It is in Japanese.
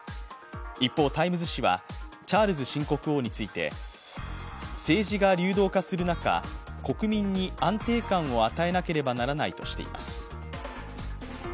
一方、「タイムズ」紙はチャールズ新国王について政治が流動化する中、国民に安定感を与えなければならないとしています。